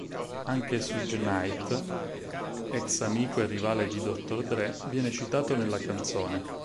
Anche Suge Knight, ex amico e rivale di Dr. Dre, viene citato nella canzone.